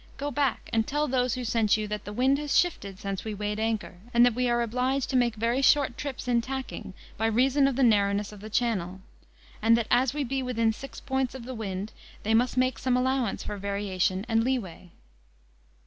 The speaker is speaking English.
go back, and tell those who sent you, that the wind has shifted since we weighed anchor, and that we are obliged to make very short trips in tacking, by reason of the narrowness of the channel; and that as we be within six points of the wind, they must make some allowance for variation and leeway."